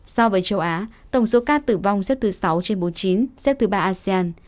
so với châu á tổng số ca tử vong xếp thứ sáu trên bốn mươi chín xếp thứ ba asean